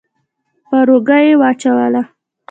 پر اوږه يې واچوله.